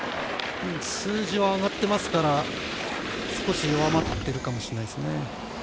数字は上がってますから少し弱まってるかもしれないですね。